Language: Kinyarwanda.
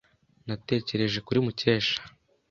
Natekereje kuri Mukesha.